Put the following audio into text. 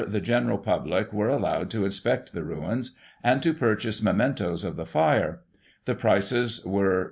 the general public were allowed to inspect the ruins, and to purchase mementos of the fire; the prices were, 6d.